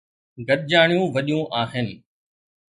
گڏجاڻيون وڏيون آهن.